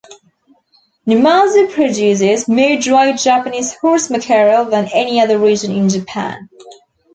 Numazu produces more dried Japanese horse mackerel than any other region in Japan.